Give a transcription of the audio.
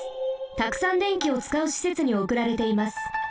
たくさん電気をつかうしせつにおくられています。